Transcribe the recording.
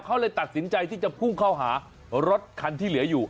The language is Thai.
เขาเลยตัดสินใจที่จะพุ่งเข้าหารถคันที่เหลืออยู่